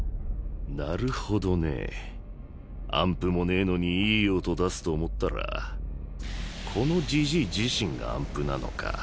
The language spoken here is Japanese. アンプもねぇのにいい音出すと思ったらこのじじい自身がアンプなのか。